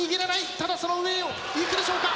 ただその上をいくでしょうか？